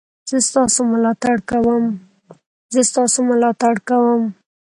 زه ستاسو ملاتړ کوم